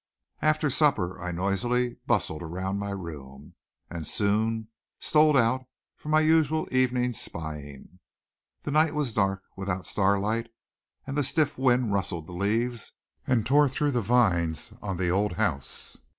After supper I noisily bustled around my room, and soon stole out for my usual evening's spying. The night was dark, without starlight, and the stiff wind rustled the leaves and tore through the vines on the old house.